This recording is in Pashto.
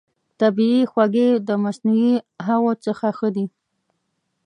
طبیعي خوږې د مصنوعي هغو څخه ښه دي.